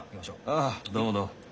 ああどうもどうも。